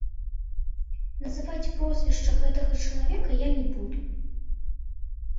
Называць прозвішча гэтага чалавека я не буду.